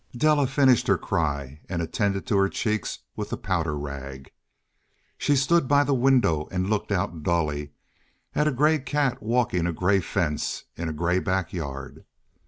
Della finished her cry and attended to her cheeks with the powder rag. She stood by the window and looked out dully at a grey cat walking a grey fence in a grey backyard.